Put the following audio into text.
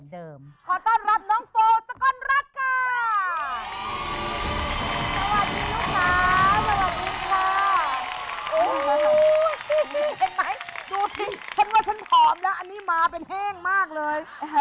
เห็นไหมดูสิฉันว่าฉันผอมแล้วอันนี้มาเป็นแห้งมากเลย